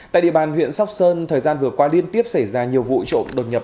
tại địa bàn huyện sóc sơn thời gian vừa qua liên tiếp xảy ra nhiều vụ trộm đột nhập